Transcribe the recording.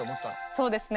そうですね。